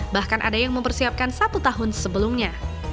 bahkan ada yang mempersiapkan satu tahun sebelumnya